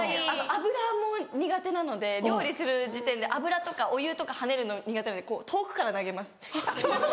油も苦手なので料理する時点で油とかお湯とか跳ねるの苦手なので遠くから投げます。